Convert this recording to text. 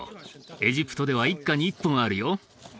エジプトでは一家に１本あるよ